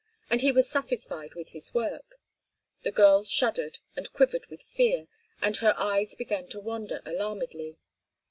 And he was satisfied with his work: the girl shuddered and quivered with fear, and her eyes began to wander alarmedly.